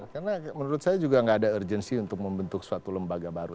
karena menurut saya juga gak ada urgency untuk membentuk suatu lembaga baru